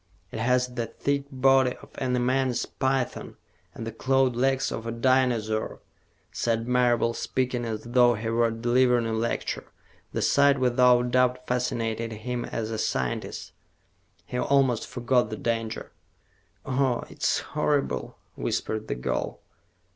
"It has the thick body of an immense python and the clawed legs of a dinosaur," said Marable, speaking as though he were delivering a lecture. The sight, without doubt, fascinated him as a scientist. He almost forgot the danger. "Oh, it's horrible," whispered the girl.